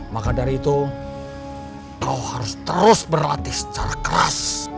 maka dari itu kau harus terus berlatih secara keras